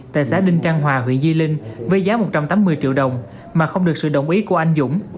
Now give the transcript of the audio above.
tại xã đinh trang hòa huyện di linh với giá một trăm tám mươi triệu đồng mà không được sự đồng ý của anh dũng